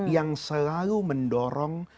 yang selalu mendorong